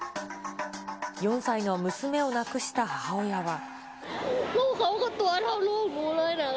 ４歳の娘を亡くした母親は。